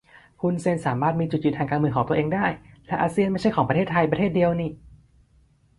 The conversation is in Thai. ฮุนเซนสามารถมีจุดยืนทางการเมืองของตัวเองได้ และอาเซียนไม่ใช่ของประเทศไทยประเทศเดียวนิ